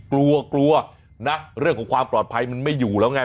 กลัวกลัวนะเรื่องของความปลอดภัยมันไม่อยู่แล้วไง